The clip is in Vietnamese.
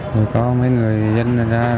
rồi có mấy người dân ra